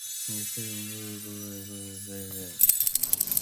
He appeared on the group's five subsequent studio recordings.